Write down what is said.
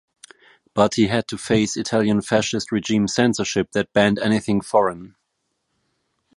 But he had to face Italian Fascist regime censorship, that banned anything foreign.